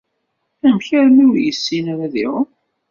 Amek armi ur yessin ara ad iɛum?